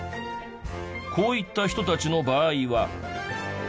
こういった人たちの場合は。